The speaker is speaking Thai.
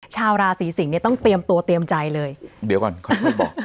ชาวราศีสิงศ์เนี่ยต้องเตรียมตัวเตรียมใจเลยเดี๋ยวก่อนก่อน